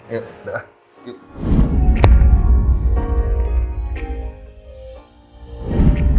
yuk dah yuk